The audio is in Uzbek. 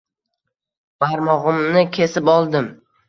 Barmog'imni kesib oldim.